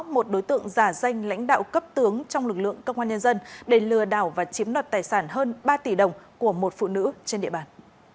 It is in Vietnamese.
một đối tượng giả danh lãnh đạo cấp tướng trong lực lượng công an nhân dân để lừa đảo và chiếm đoạt tài sản hơn ba tỷ đồng của một phụ nữ trên địa bàn